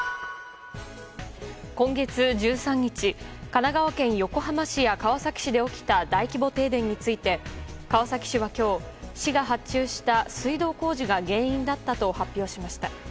神奈川県横浜市や川崎市で起きた大規模停電について川崎市は今日市が発注した水道工事が原因だったと発表しました。